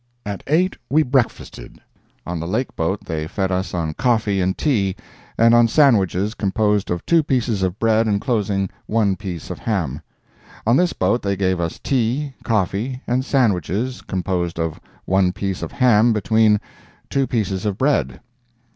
At eight we breakfasted. On the lake boat they fed us on coffee and tea, and on sandwiches composed of two pieces of bread enclosing one piece of ham. On this boat they gave us tea, coffee, and sandwiches composed of one piece of ham between two pieces of bread.